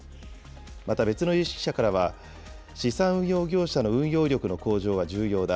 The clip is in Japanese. また、別の有識者からは、資産運用業者の運用力の向上は重要だ。